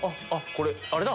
これあれだ！